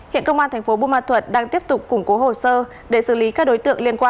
hiện công an tp bumma thuật đang tiếp tục củng cố hồ sơ để xử lý các đối tượng liên quan theo quy định của pháp luật